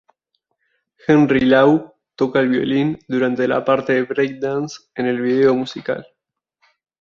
Henry Lau toca el violín durante la parte de Breakdance en el video musical.